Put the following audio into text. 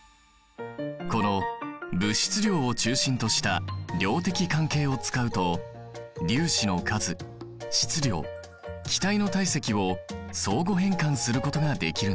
この物質量を中心とした量的関係を使うと粒子の数質量気体の体積を相互変換することができるんだ。